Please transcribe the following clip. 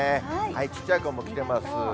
ちっちゃい子も来てます。